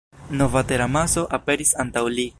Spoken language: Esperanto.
Nova teramaso aperis antaŭ li.